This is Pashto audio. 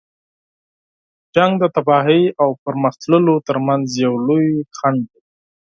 جنګ د تباهۍ او پرمخ تللو تر منځ یو لوی خنډ دی.